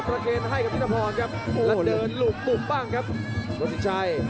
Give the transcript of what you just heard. พยาบกระแทกมัดเย็บซ้าย